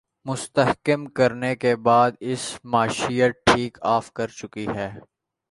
مستحکم کرنے کے بعد اب معیشت ٹیک آف کر چکی ہے